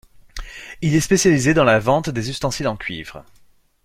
Il est spécialisé dans la vente des ustensiles en cuivre.